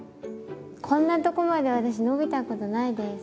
こんなとこまで私伸びたことないです。